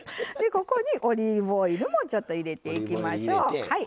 ここにオリーブオイルも入れていきましょう。